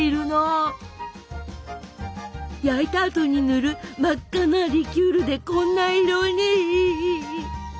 焼いたあとに塗る真っ赤なリキュールでこんな色に！